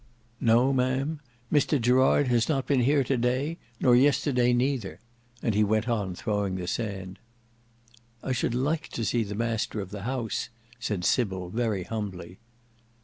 "No. Ma'am; Mr Gerard has not been here to day, nor yesterday neither"—and he went on throwing the sand. "I should like to see the master of the house," said Sybil very humbly.